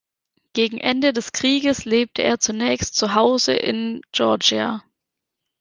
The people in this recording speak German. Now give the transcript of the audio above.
Gegen Ende des Krieges lebte er zunächst zu Hause in Georgia.